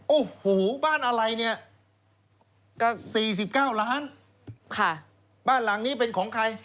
โอ้โหบ้านอะไรเนี่ยก็๔๙ล้านบ้านหลังนี้เป็นของใคร